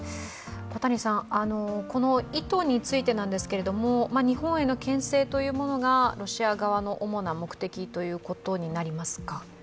この意図についてですが、日本への牽制というものがロシア側の主な目的ということになりますか？